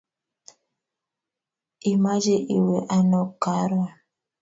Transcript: Imache iwe ano karoon?